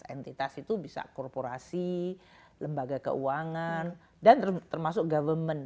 entitas itu bisa korporasi lembaga keuangan dan termasuk government